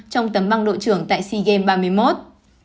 trong tầm băng đội trưởng tại sea games ba mươi một